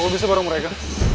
kok bisa bareng mereka